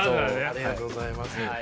ありがとうございます。